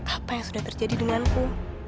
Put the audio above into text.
apa yang sudah terjadi denganku